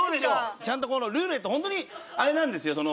ちゃんとこのルーレットホントにあれなんですよその。